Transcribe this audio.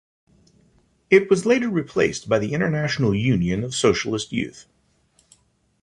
It was later replaced by the International Union of Socialist Youth.